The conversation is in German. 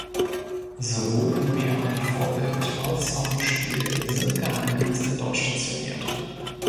Sowohl im realen Vorbild als auch im Spiel sind Geheimdienste dort stationiert.